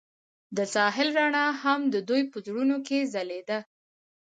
د ساحل رڼا هم د دوی په زړونو کې ځلېده.